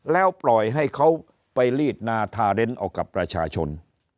แล้วปล่อยให้เขาไปลีดนาทาเรนเอากับประชาชน